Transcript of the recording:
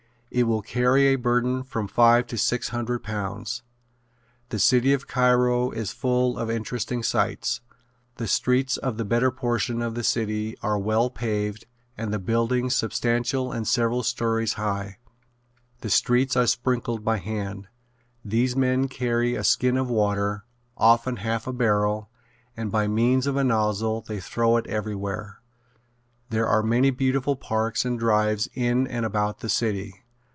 It will carry a burden of from five to six hundred pounds. The city of Cairo is full of interesting sights. The streets of the better portion of the city are well paved and the buildings substantial and several stories high. The streets are sprinkled by hand. These men carry a skin of water often half a barrel and by means of a nozzle they throw it everywhere. There are many beautiful parks and drives in and about the city.